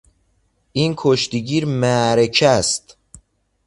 این کشتیگیر معرکه است.